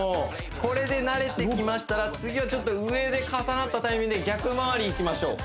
これで慣れてきましたら次は上で重なったタイミングで逆回りいきましょう